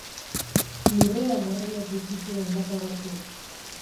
Lurrean barreiatu zituen lata batzuk.